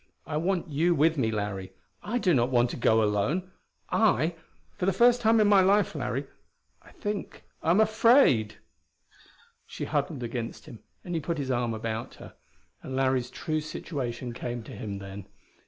I want you with me, Larry: I do not want to go alone; I for the first time in my life, Larry I think I am afraid!" She huddled against him and he put his arm about her. And Larry's true situation came to him, then.